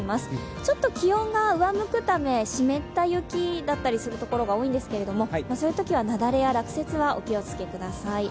ちょっと気温が上向くため湿った雪だったりするところもあるんですけどそういうときは雪崩は落雪はお気をつけください。